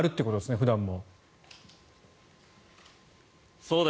普段も。